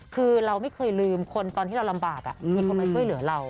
คือเราไม่เคยลืมคนตอนที่เราลำบากมีคนมาช่วยเหลือเรา